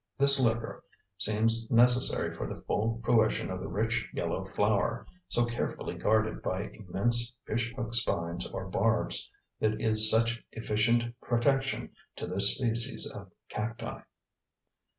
This liquor seems necessary for the full fruition of the rich, yellow flower, so carefully guarded by immense fish hook spines or barbs that is such efficient protection to this species of cacti.